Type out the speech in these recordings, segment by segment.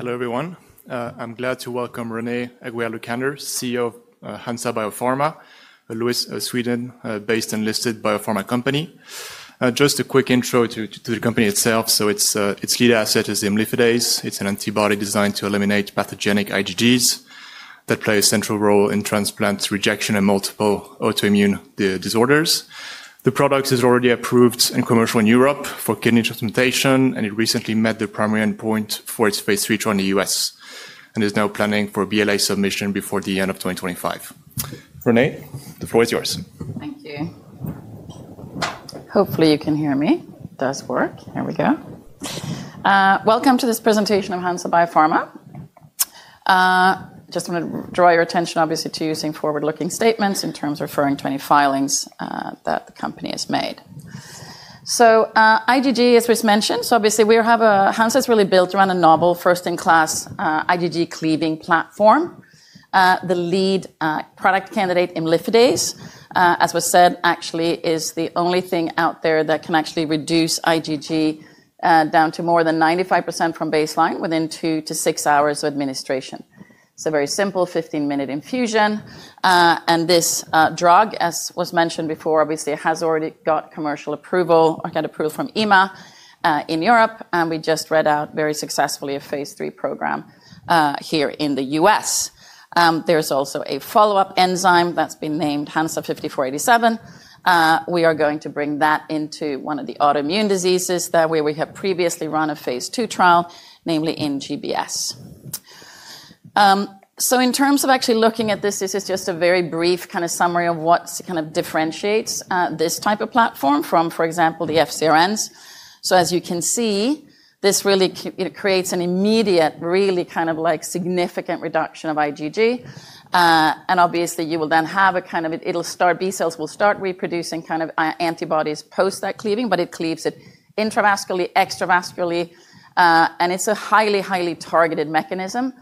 Hello everyone. I'm glad to welcome Renée Aguiar-Lucander, CEO of Hansa Biopharma, a Sweden-based and listed biopharma company. Just a quick intro to the company itself. So its lead asset is the Imlifidase. It's an antibody designed to eliminate pathogenic IgGs that play a central role in transplant rejection and multiple autoimmune disorders. The product is already approved and commercial in Europe for kidney transplantation, and it recently met the primary endpoint for its phase three trial in the U.S. and is now planning for BLA submission before the end of 2025. Renée, the floor is yours. Thank you. Hopefully you can hear me. Does work. Here we go. Welcome to this presentation of Hansa Biopharma. Just want to draw your attention, obviously, to using forward-looking statements in terms of referring to any filings that the company has made. So IgG, as was mentioned, so obviously we have a Hansa has really built around a novel first-in-class IgG cleaving platform. The lead product candidate, Imlifidase, as was said, actually is the only thing out there that can actually reduce IgG down to more than 95% from baseline within two to six hours of administration. It's a very simple 15-minute infusion. This drug, as was mentioned before, obviously has already got commercial approval or got approval from EMA in Europe. We just read out very successfully a phase three program here in the U.S. There is also a follow-up enzyme that's been named Hansa 5487. We are going to bring that into one of the autoimmune diseases that we have previously run a phase two trial, namely in GBS. In terms of actually looking at this, this is just a very brief kind of summary of what kind of differentiates this type of platform from, for example, the FCRNs. As you can see, this really creates an immediate, really kind of like significant reduction of IgG. Obviously you will then have a kind of, it'll start, B cells will start reproducing kind of antibodies post that cleaving, but it cleaves it intravascularly, extravascularly, and it's a highly, highly targeted mechanism.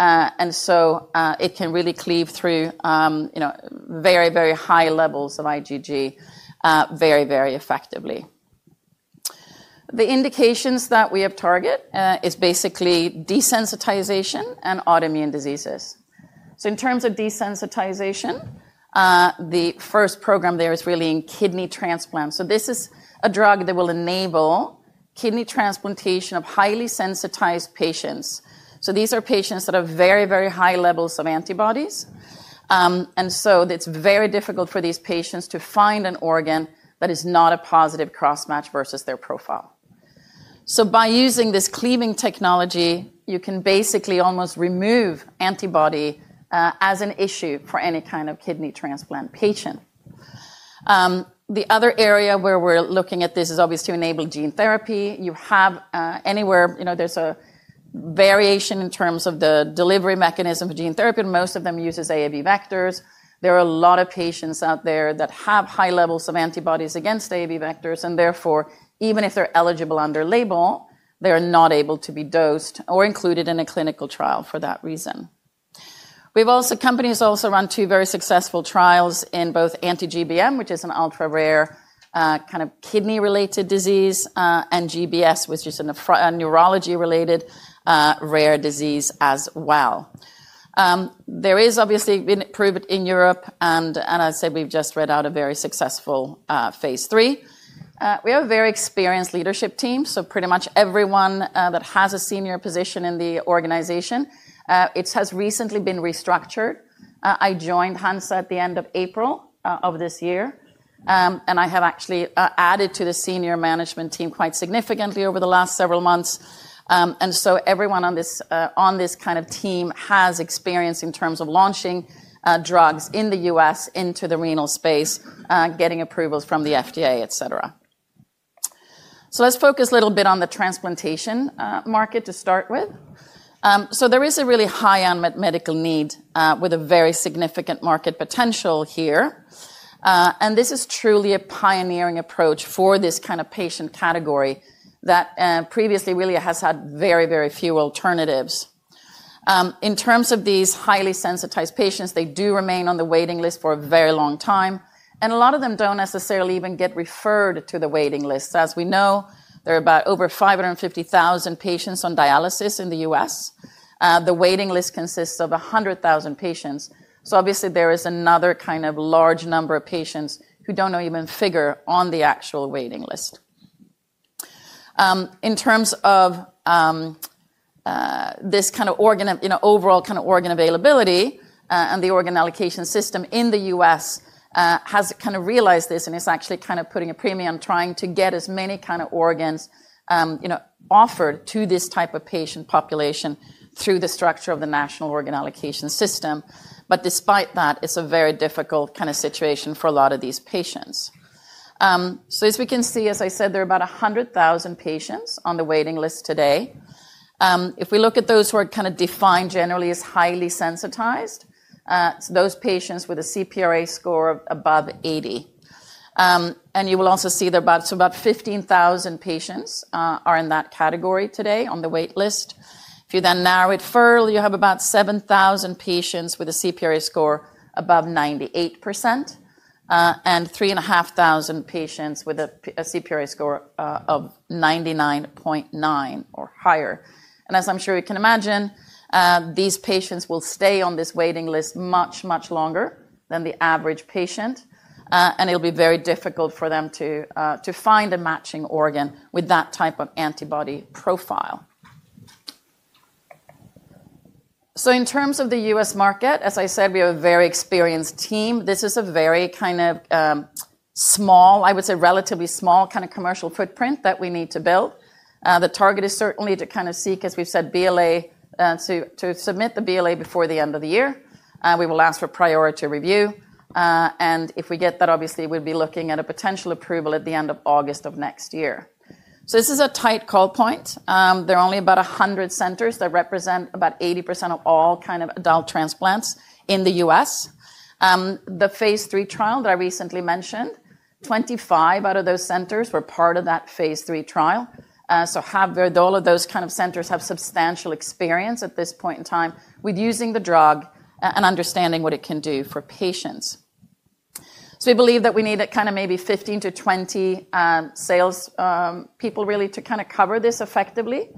It can really cleave through very, very high levels of IgG very, very effectively. The indications that we have target is basically desensitization and autoimmune diseases. In terms of desensitization, the first program there is really in kidney transplant. This is a drug that will enable kidney transplantation of highly sensitized patients. These are patients that have very, very high levels of antibodies. It is very difficult for these patients to find an organ that is not a positive cross-match versus their profile. By using this cleaving technology, you can basically almost remove antibody as an issue for any kind of kidney transplant patient. The other area where we are looking at this is obviously to enable gene therapy. You have anywhere, you know, there is a variation in terms of the delivery mechanism for gene therapy, but most of them use AAV vectors. There are a lot of patients out there that have high levels of antibodies against AAV vectors, and therefore, even if they are eligible under label, they are not able to be dosed or included in a clinical trial for that reason. We've also, companies also run two very successful trials in both anti-GBM, which is an ultra-rare kind of kidney-related disease, and GBS, which is a neurology-related rare disease as well. There is obviously been approved in Europe, and as I said, we've just read out a very successful phase three. We have a very experienced leadership team, so pretty much everyone that has a senior position in the organization, it has recently been restructured. I joined Hansa at the end of April of this year, and I have actually added to the senior management team quite significantly over the last several months. Everyone on this kind of team has experience in terms of launching drugs in the U.S. into the renal space, getting approvals from the FDA, et cetera. Let's focus a little bit on the transplantation market to start with. There is a really high-end medical need with a very significant market potential here. This is truly a pioneering approach for this kind of patient category that previously really has had very, very few alternatives. In terms of these highly sensitized patients, they do remain on the waiting list for a very long time, and a lot of them do not necessarily even get referred to the waiting list. As we know, there are over 550,000 patients on dialysis in the U.S. The waiting list consists of 100,000 patients. Obviously, there is another kind of large number of patients who do not even figure on the actual waiting list. In terms of this kind of organ, you know, overall kind of organ availability and the organ allocation system in the U.S. has kind of realized this and is actually kind of putting a premium on trying to get as many kind of organs, you know, offered to this type of patient population through the structure of the national organ allocation system. Despite that, it's a very difficult kind of situation for a lot of these patients. As we can see, as I said, there are about 100,000 patients on the waiting list today. If we look at those who are kind of defined generally as highly sensitized, those patients with a CPRA score above 80%. You will also see there are about 15,000 patients who are in that category today on the wait list. If you then narrow it further, you have about 7,000 patients with a CPRA score above 98% and 3,500 patients with a CPRA score of 99.9% or higher. As I'm sure you can imagine, these patients will stay on this waiting list much, much longer than the average patient, and it'll be very difficult for them to find a matching organ with that type of antibody profile. In terms of the U.S. market, as I said, we have a very experienced team. This is a very kind of small, I would say relatively small kind of commercial footprint that we need to build. The target is certainly to kind of seek, as we've said, BLA to submit the BLA before the end of the year. We will ask for priority review. If we get that, obviously we'll be looking at a potential approval at the end of August of next year. This is a tight call point. There are only about 100 centers that represent about 80% of all kind of adult transplants in the U.S. The phase three trial that I recently mentioned, 25 out of those centers were part of that phase three trial. Half of all of those kind of centers have substantial experience at this point in time with using the drug and understanding what it can do for patients. We believe that we need maybe 15-20 salespeople really to cover this effectively.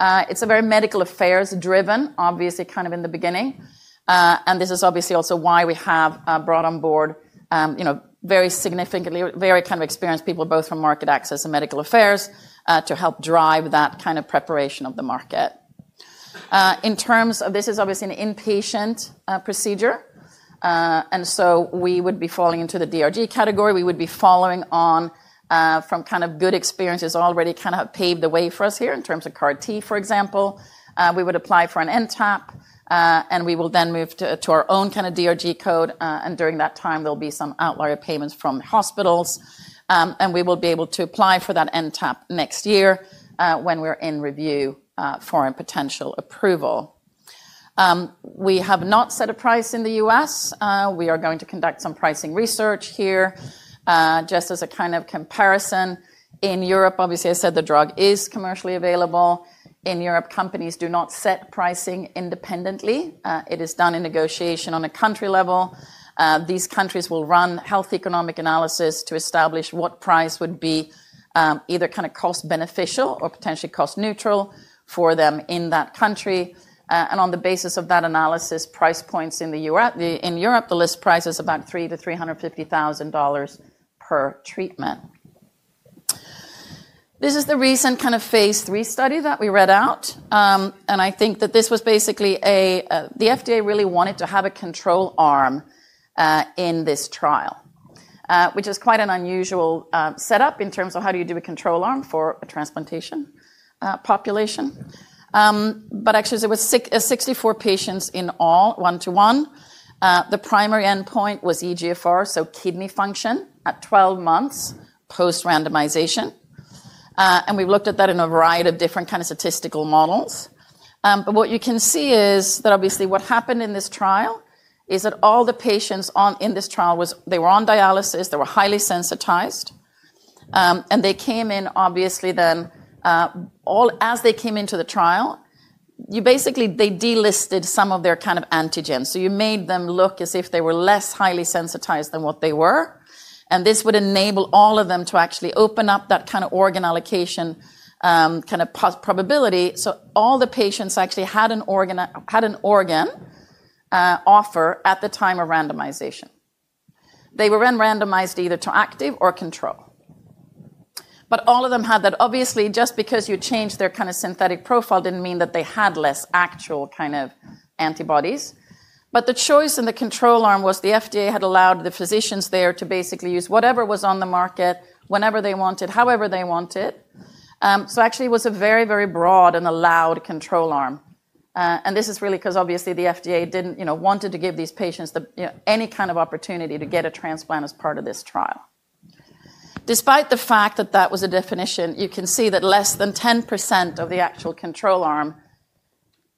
It's a very medical affairs-driven, obviously kind of in the beginning. This is obviously also why we have brought on board, you know, very significantly, very kind of experienced people, both from market access and medical affairs to help drive that kind of preparation of the market. In terms of, this is obviously an inpatient procedure. We would be falling into the DRG category. We would be following on from kind of good experiences already kind of paved the way for us here in terms of CAR-T, for example. We would apply for an NTAP, and we will then move to our own kind of DRG code. During that time, there will be some outlier payments from hospitals, and we will be able to apply for that NTAP next year when we are in review for a potential approval. We have not set a price in the U.S. We are going to conduct some pricing research here, just as a kind of comparison. In Europe, obviously, as I said, the drug is commercially available. In Europe, companies do not set pricing independently. It is done in negotiation on a country level. These countries will run health economic analysis to establish what price would be either kind of cost-beneficial or potentially cost-neutral for them in that country. On the basis of that analysis, price points in Europe, the list price is about $300,000-$350,000 per treatment. This is the recent kind of phase three study that we read out. I think that this was basically a, the FDA really wanted to have a control arm in this trial, which is quite an unusual setup in terms of how do you do a control arm for a transplantation population. Actually, there were 64 patients in all one-to-one. The primary endpoint was eGFR, so kidney function at 12 months post-randomization. We've looked at that in a variety of different kinds of statistical models. What you can see is that obviously what happened in this trial is that all the patients in this trial were on dialysis, they were highly sensitized, and they came in obviously then all as they came into the trial, you basically, they delisted some of their kind of antigens. You made them look as if they were less highly sensitized than what they were. This would enable all of them to actually open up that kind of organ allocation kind of probability. All the patients actually had an organ offer at the time of randomization. They were then randomized either to active or control. All of them had that, obviously, just because you changed their kind of synthetic profile did not mean that they had less actual kind of antibodies. The choice in the control arm was the FDA had allowed the physicians there to basically use whatever was on the market whenever they wanted, however they wanted. Actually, it was a very, very broad and allowed control arm. This is really because, obviously, the FDA wanted to give these patients any kind of opportunity to get a transplant as part of this trial. Despite the fact that that was a definition, you can see that less than 10% of the actual control arm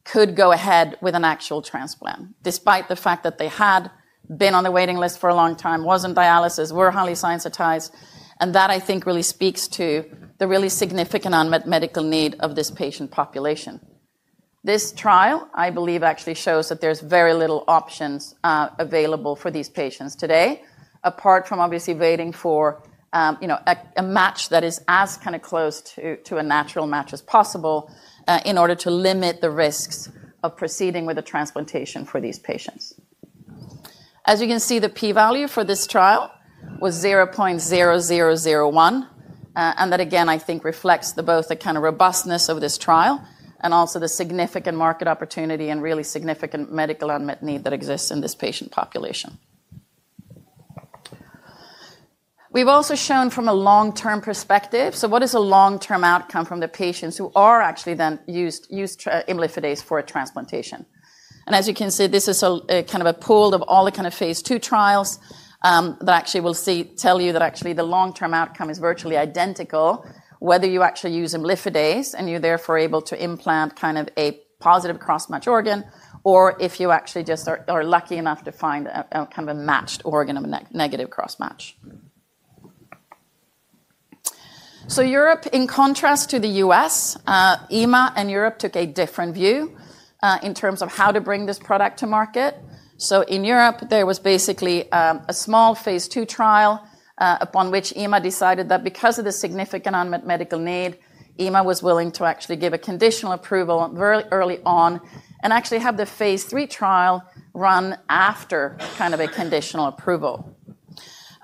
could go ahead with an actual transplant, despite the fact that they had been on the waiting list for a long time, were on dialysis, were highly sensitized. That I think really speaks to the really significant unmet medical need of this patient population. This trial, I believe, actually shows that there's very little options available for these patients today, apart from obviously waiting for, you know, a match that is as kind of close to a natural match as possible in order to limit the risks of proceeding with a transplantation for these patients. As you can see, the p-value for this trial was 0.0001. That again, I think, reflects both the kind of robustness of this trial and also the significant market opportunity and really significant medical unmet need that exists in this patient population. We've also shown from a long-term perspective, so what is a long-term outcome from the patients who are actually then used Imlifidase for a transplantation? As you can see, this is a kind of a pool of all the kind of phase two trials that actually will tell you that actually the long-term outcome is virtually identical, whether you actually use Imlifidase and you're therefore able to implant kind of a positive cross-match organ, or if you actually just are lucky enough to find a kind of a matched organ, a negative cross-match. Europe, in contrast to the U.S., EMA and Europe took a different view in terms of how to bring this product to market. In Europe, there was basically a small phase two trial upon which EMA decided that because of the significant unmet medical need, EMA was willing to actually give a conditional approval very early on and actually have the phase three trial run after kind of a conditional approval.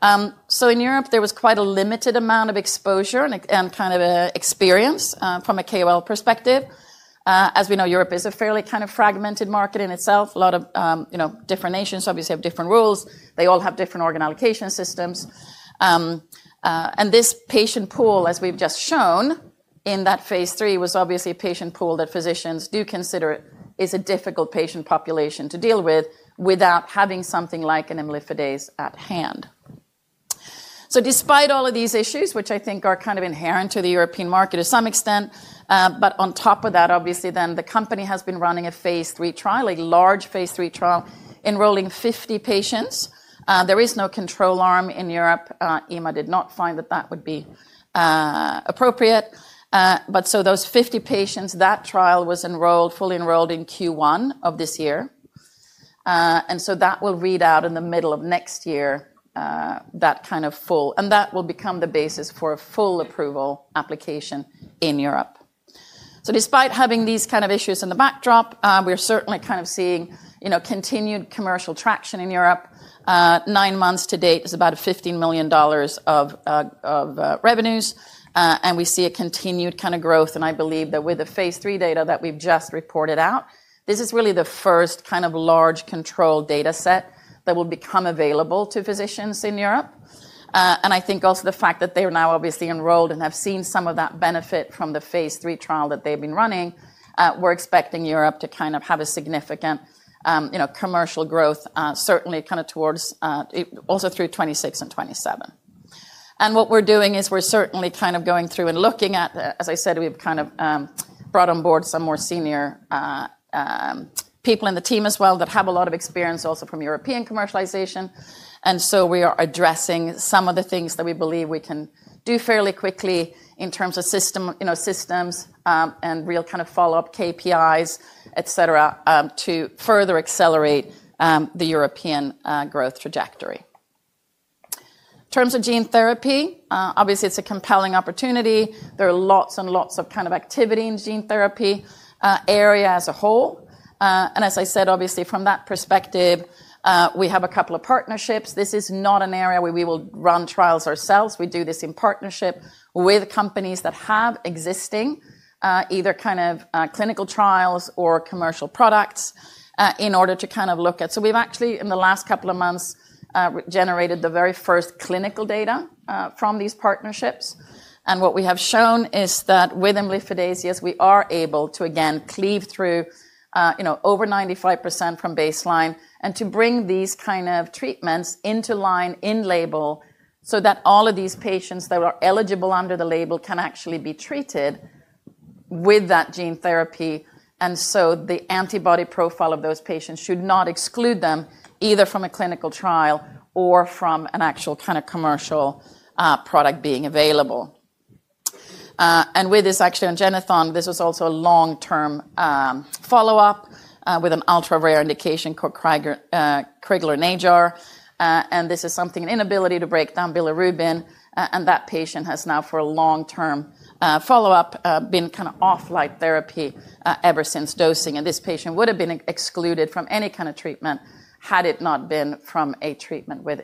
In Europe, there was quite a limited amount of exposure and kind of experience from a KOL perspective. As we know, Europe is a fairly kind of fragmented market in itself. A lot of, you know, different nations obviously have different rules. They all have different organ allocation systems. This patient pool, as we've just shown in that phase three, was obviously a patient pool that physicians do consider is a difficult patient population to deal with without having something like Imlifidase at hand. Despite all of these issues, which I think are kind of inherent to the European market to some extent, on top of that, obviously the company has been running a phase three trial, a large phase three trial enrolling 50 patients. There is no control arm in Europe. EMA did not find that that would be appropriate. Those 50 patients, that trial was enrolled, fully enrolled in Q1 of this year. That will read out in the middle of next year, that kind of full, and that will become the basis for a full approval application in Europe. Despite having these kind of issues in the backdrop, we're certainly kind of seeing, you know, continued commercial traction in Europe. Nine months to date is about $15 million of revenues. We see a continued kind of growth. I believe that with the phase three data that we've just reported out, this is really the first kind of large control data set that will become available to physicians in Europe. I think also the fact that they're now obviously enrolled and have seen some of that benefit from the phase three trial that they've been running, we're expecting Europe to kind of have a significant, you know, commercial growth, certainly kind of towards also through 2026 and 2027. What we're doing is we're certainly kind of going through and looking at, as I said, we've kind of brought on board some more senior people in the team as well that have a lot of experience also from European commercialization. We are addressing some of the things that we believe we can do fairly quickly in terms of system, you know, systems and real kind of follow-up KPIs, et cetera, to further accelerate the European growth trajectory. In terms of gene therapy, obviously it's a compelling opportunity. There are lots and lots of kind of activity in gene therapy area as a whole. As I said, obviously from that perspective, we have a couple of partnerships. This is not an area where we will run trials ourselves. We do this in partnership with companies that have existing either kind of clinical trials or commercial products in order to kind of look at. We have actually in the last couple of months generated the very first clinical data from these partnerships. What we have shown is that with Imlifidase we are able to again cleave through, you know, over 95% from baseline and to bring these kind of treatments into line in label so that all of these patients that are eligible under the label can actually be treated with that gene therapy. The antibody profile of those patients should not exclude them either from a clinical trial or from an actual kind of commercial product being available. With this actually on Genethon, this was also a long-term follow-up with an ultra-rare indication called Krigler-Najar. This is something, an inability to break down bilirubin. That patient has now for a long-term follow-up been kind of off light therapy ever since dosing. This patient would've been excluded from any kind of treatment had it not been from a treatment with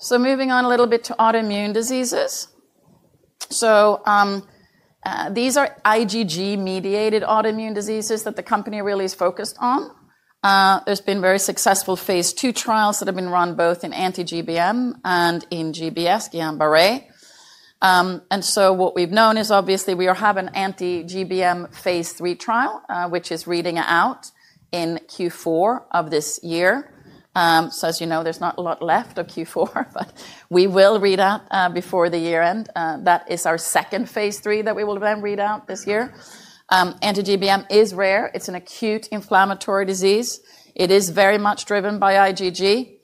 imlifidase. Moving on a little bit to autoimmune diseases. These are IgG mediated autoimmune diseases that the company really is focused on. There have been very successful phase two trials that have been run both in anti-GBM and in GBS, Guillain-Barré. What we've known is obviously we have an anti-GBM phase three trial, which is reading out in Q4 of this year. As you know, there's not a lot left of Q4, but we will read out before the year end. That is our second phase three that we will then read out this year. Anti-GBM is rare. It's an acute inflammatory disease. It is very much driven by IgG.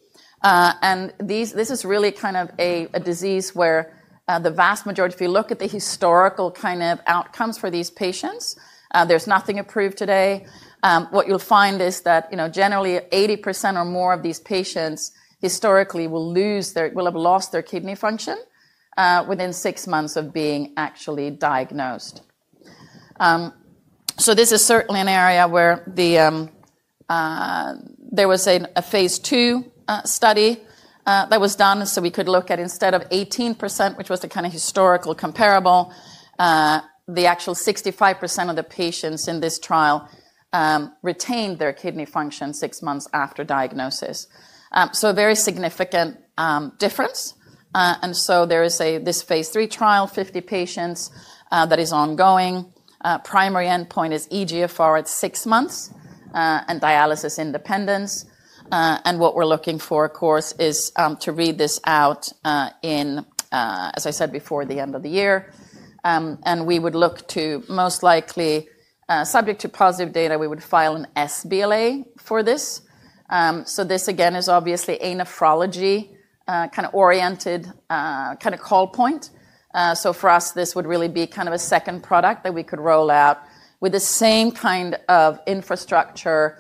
This is really kind of a disease where the vast majority, if you look at the historical kind of outcomes for these patients, there's nothing approved today. What you'll find is that, you know, generally 80% or more of these patients historically will lose their, will have lost their kidney function within six months of being actually diagnosed. This is certainly an area where there was a phase two study that was done so we could look at instead of 18%, which was the kind of historical comparable, the actual 65% of the patients in this trial retained their kidney function six months after diagnosis. A very significant difference. There is a phase three trial, 50 patients that is ongoing. Primary endpoint is eGFR at six months and dialysis independence. What we're looking for, of course, is to read this out in, as I said before, the end of the year. We would look to most likely, subject to positive data, file an sBLA for this. This again is obviously a nephrology kind of oriented kind of call point. For us, this would really be kind of a second product that we could roll out with the same kind of infrastructure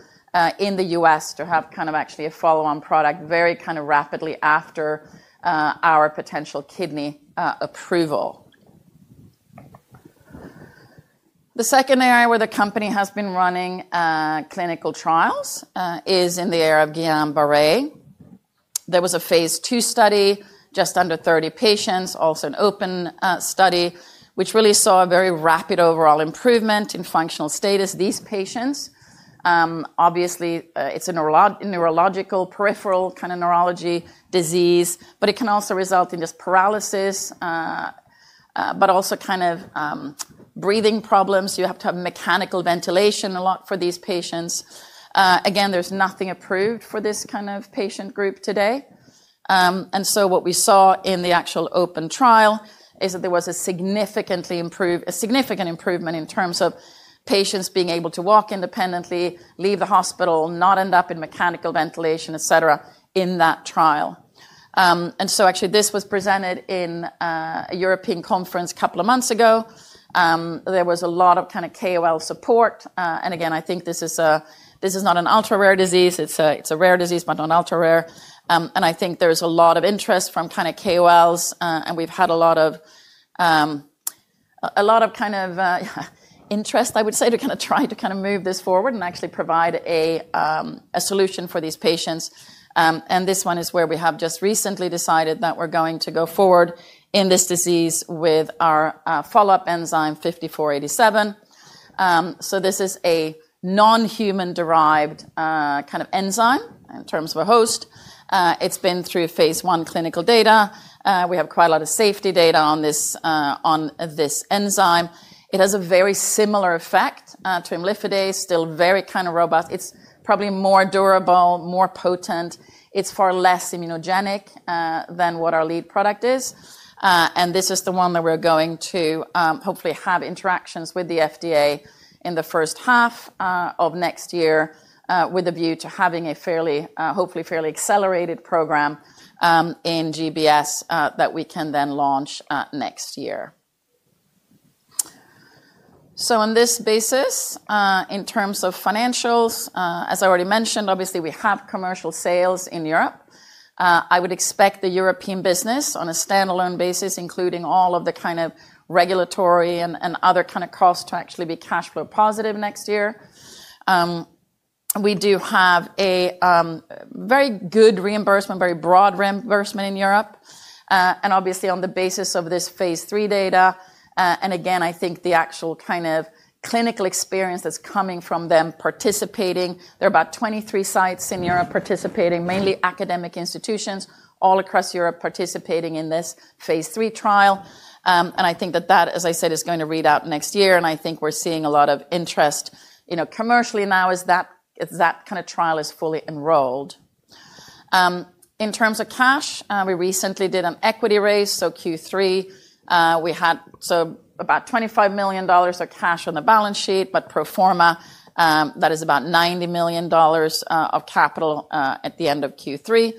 in the U.S. to have kind of actually a follow-on product very kind of rapidly after our potential kidney approval. The second area where the company has been running clinical trials is in the area of Guillain-Barré. There was a phase two study, just under 30 patients, also an open study, which really saw a very rapid overall improvement in functional status. These patients, obviously, it is a neurological peripheral kind of neurology disease, but it can also result in just paralysis, but also kind of breathing problems. You have to have mechanical ventilation a lot for these patients. Again, there is nothing approved for this kind of patient group today. What we saw in the actual open trial is that there was a significant improvement in terms of patients being able to walk independently, leave the hospital, not end up in mechanical ventilation, et cetera, in that trial. Actually, this was presented in a European conference a couple of months ago. There was a lot of KOL support. I think this is not an ultra-rare disease. It's a rare disease, but not ultra-rare. I think there's a lot of interest from KOLs and we've had a lot of interest, I would say, to try to move this forward and actually provide a solution for these patients. This one is where we have just recently decided that we're going to go forward in this disease with our follow-up enzyme 5487. This is a non-human derived kind of enzyme in terms of a host. It's been through phase I clinical data. We have quite a lot of safety data on this enzyme. It has a very similar effect to imlifidase, still very kind of robust. It's probably more durable, more potent. It's far less immunogenic than what our lead product is. This is the one that we're going to hopefully have interactions with the FDA in the first half of next year with a view to having a fairly, hopefully fairly accelerated program in GBS that we can then launch next year. On this basis, in terms of financials, as I already mentioned, obviously we have commercial sales in Europe. I would expect the European business on a standalone basis, including all of the kind of regulatory and other kind of costs, to actually be cashflow positive next year. We do have a very good reimbursement, very broad reimbursement in Europe. Obviously, on the basis of this phase three data. I think the actual kind of clinical experience that's coming from them participating, there are about 23 sites in Europe participating, mainly academic institutions all across Europe participating in this phase three trial. I think that that, as I said, is going to read out next year. I think we're seeing a lot of interest, you know, commercially now as that kind of trial is fully enrolled. In terms of cash, we recently did an equity raise. Q3 we had about $25 million of cash on the balance sheet, but pro forma, that is about $90 million of capital at the end of Q3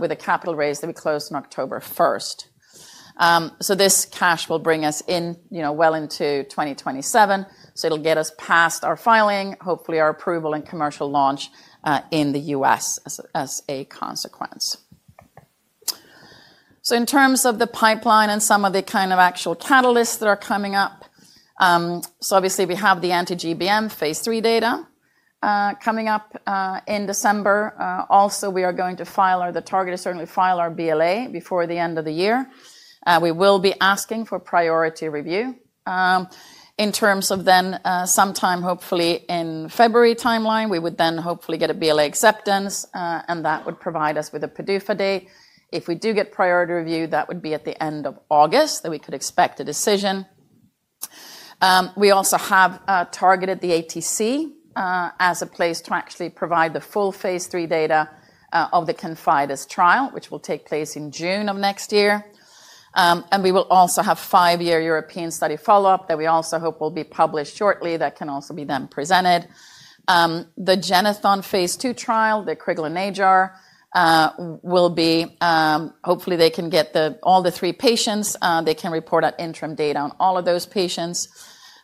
with a capital raise that we closed on October 1. This cash will bring us in, you know, well into 2027. It'll get us past our filing, hopefully our approval and commercial launch in the U.S. as a consequence. In terms of the pipeline and some of the kind of actual catalysts that are coming up, obviously we have the anti-GBM phase 3 data coming up in December. Also we are going to file or the target is certainly file our BLA before the end of the year. We will be asking for priority review in terms of then sometime hopefully in February timeline, we would then hopefully get a BLA acceptance and that would provide us with a PDUFA date. If we do get priority review, that would be at the end of August that we could expect a decision. We also have targeted the ATC as a place to actually provide the full phase three data of the Confidus trial, which will take place in June of next year. We will also have five-year European study follow-up that we also hope will be published shortly that can also be then presented. The Genethon phase two trial, the Krigler-Najar, will be hopefully they can get the, all the three patients, they can report at interim data on all of those patients.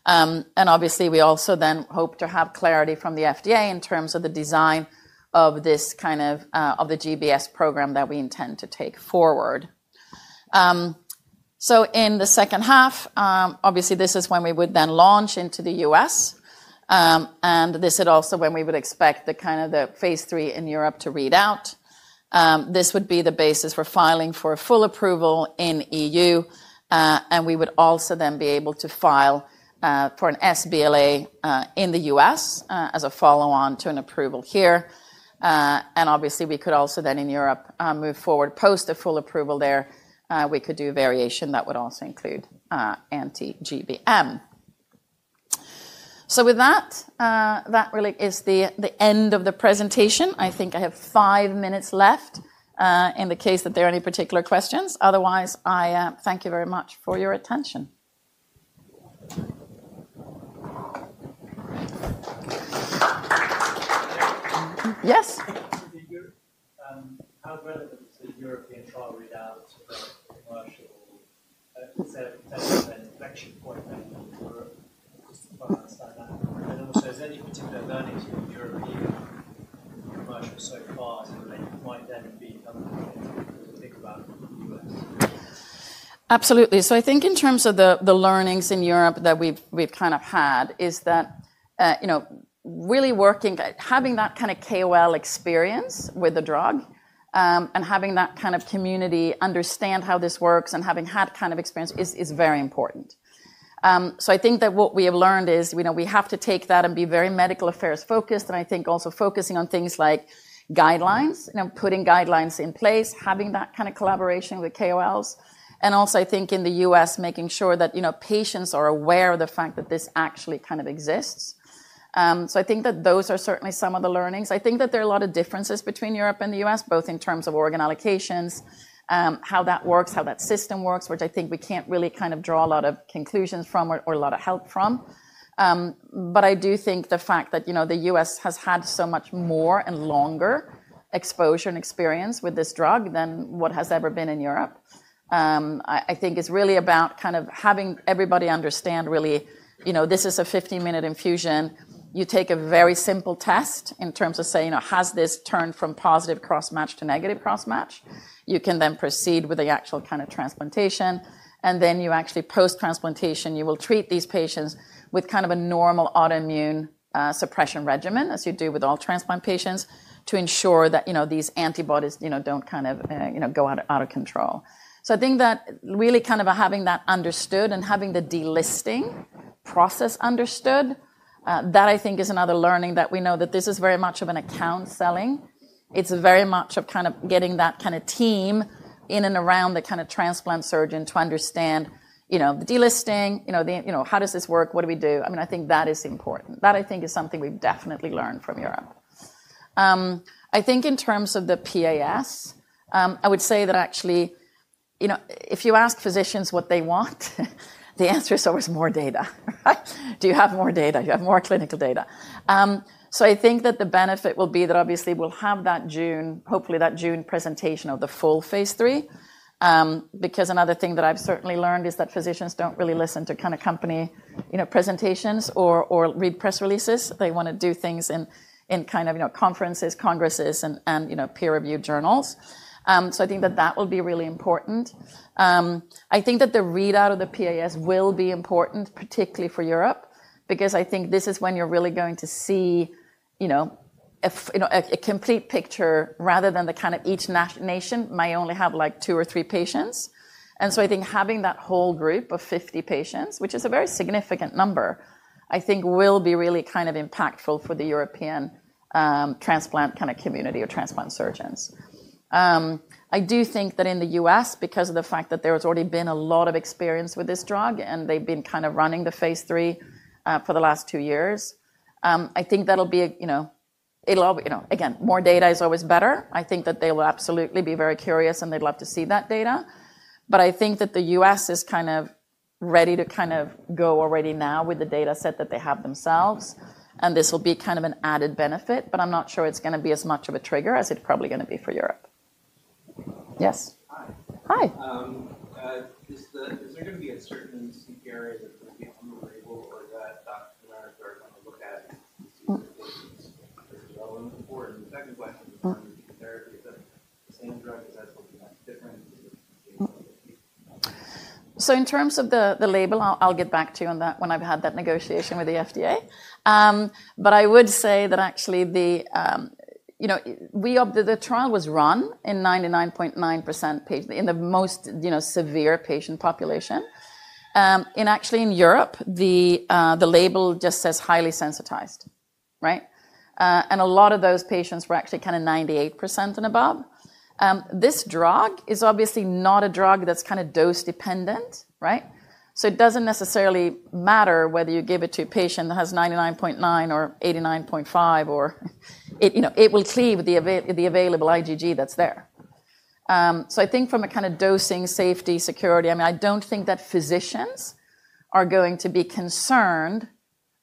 We also then hope to have clarity from the FDA in terms of the design of this kind of, of the GBS program that we intend to take forward. In the second half, this is when we would then launch into the U.S. and this is also when we would expect the phase three in Europe to read out. This would be the basis for filing for full approval in the EU. We would also then be able to file for an sBLA in the U.S. as a follow-on to an approval here. We could also then in Europe move forward post a full approval there. We could do variation that would also include anti-GBM. With that, that really is the end of the presentation. I think I have five minutes left in the case that there are any particular questions. Otherwise, I thank you very much for your attention. Yes. How relevant is the European trial readout for commercial? Is there an inflection point then in Europe? Also, is there any particular learnings from European commercial so far that might then be something to think about in the U.S.? Absolutely. I think in terms of the learnings in Europe that we've kind of had is that, you know, really working, having that kind of KOL experience with the drug and having that kind of community understand how this works and having had kind of experience is very important. I think that what we have learned is, you know, we have to take that and be very medical affairs focused. I think also focusing on things like guidelines, you know, putting guidelines in place, having that kind of collaboration with KOLs. I think in the U.S. making sure that, you know, patients are aware of the fact that this actually kind of exists. I think that those are certainly some of the learnings. I think that there are a lot of differences between Europe and the U.S., both in terms of organ allocations, how that works, how that system works, which I think we can't really kind of draw a lot of conclusions from or a lot of help from. I do think the fact that, you know, the U.S. has had so much more and longer exposure and experience with this drug than what has ever been in Europe. I think it's really about kind of having everybody understand really, you know, this is a 15-minute infusion. You take a very simple test in terms of saying, you know, has this turned from positive cross-match to negative cross-match? You can then proceed with the actual kind of transplantation. You actually post-transplantation, you will treat these patients with kind of a normal autoimmune suppression regimen as you do with all transplant patients to ensure that, you know, these antibodies, you know, don't kind of, you know, go out of control. I think that really kind of having that understood and having the delisting process understood, that I think is another learning that we know that this is very much of an account selling. It's very much of kind of getting that kind of team in and around the kind of transplant surgeon to understand, you know, the delisting, you know, the, you know, how does this work? What do we do? I mean, I think that is important. That I think is something we've definitely learned from Europe. I think in terms of the PAS, I would say that actually, you know, if you ask physicians what they want, the answer is always more data, right? Do you have more data? Do you have more clinical data? I think that the benefit will be that obviously we'll have that June, hopefully that June presentation of the full phase three. Because another thing that I've certainly learned is that physicians don't really listen to kind of company, you know, presentations or read press releases. They want to do things in kind of, you know, conferences, congresses and, you know, peer review journals. I think that that will be really important. I think that the readout of the PAS will be important, particularly for Europe, because I think this is when you're really going to see, you know, a complete picture rather than the kind of each nation might only have like two or three patients. I think having that whole group of 50 patients, which is a very significant number, will be really kind of impactful for the European transplant kind of community or transplant surgeons. I do think that in the U.S., because of the fact that there has already been a lot of experience with this drug and they've been kind of running the phase three for the last two years, I think that'll be a, you know, it'll all, you know, again, more data is always better. I think that they will absolutely be very curious and they'd love to see that data. I think that the U.S. is kind of ready to kind of go already now with the dataset that they have themselves. This will be kind of an added benefit, but I'm not sure it's going to be as much of a trigger as it's probably going to be for Europe. Yes. Hi. Is there going to be a certain CPRA that's going to be on the label or that doctors are going to look at to see if it's well enough for? The second question is, is it the same drug as that's looking at different? In terms of the label, I'll get back to you on that when I've had that negotiation with the FDA. I would say that actually the, you know, we of the trial was run in 99.9% patients in the most, you know, severe patient population. Actually in Europe, the label just says highly sensitized, right? A lot of those patients were actually kind of 98% and above. This drug is obviously not a drug that's kind of dose dependent, right? It doesn't necessarily matter whether you give it to a patient that has 99.9% or 89.5%, or it, you know, it will cleave with the available IgG that's there. I think from a kind of dosing safety security, I mean, I don't think that physicians are going to be concerned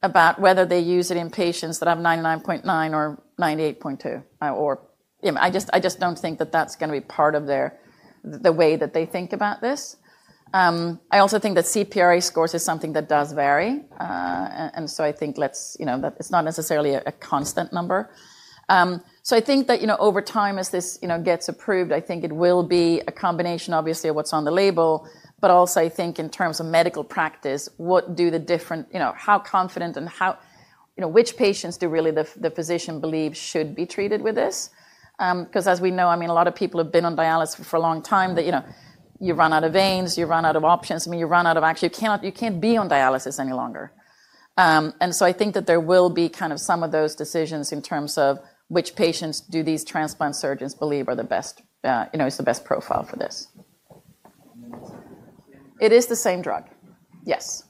about whether they use it in patients that have 99.9% or 98.2%, or, you know, I just don't think that that's going to be part of their, the way that they think about this. I also think that CPRA scores is something that does vary. I think let's, you know, that it's not necessarily a constant number. I think that, you know, over time as this, you know, gets approved, it will be a combination obviously of what's on the label. Also, I think in terms of medical practice, what do the different, you know, how confident and how, you know, which patients do really the physician believe should be treated with this? Because as we know, I mean, a lot of people have been on dialysis for a long time, that, you know, you run out of veins, you run out of options. I mean, you run out of actually you can't, you can't be on dialysis any longer. I think that there will be kind of some of those decisions in terms of which patients do these transplant surgeons believe are the best, you know, is the best profile for this. It is the same drug. Yes.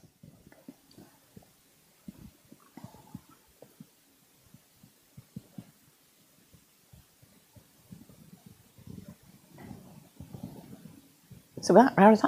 So we're at around.